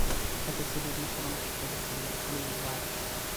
دا پیسې باید مشرانو په ګډه تادیه کړي وای.